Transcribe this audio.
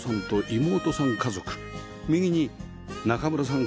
家族右に中村さん